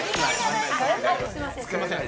すいません。